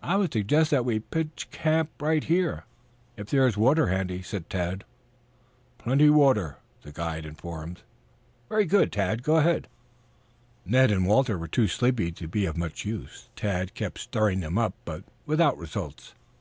"I would suggest that we pitch a camp right here, if there is water handy," said Tad. "Plenty water," the guide informed them. "Very good, Tad; go ahead." Ned and Walter were too sleepy to be of much use. Tad kept stirring them up, but without results.